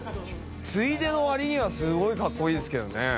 ついでの割にはすごいかっこいいですけどね。